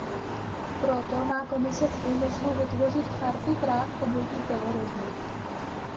Proto má Komise v úmyslu vytvořit chartu práv obětí terorismu.